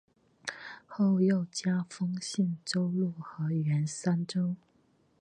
后又加封信州路和铅山州。